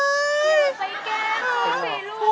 อะไรนะหิวว่าอย่างไรนะจ๊ะ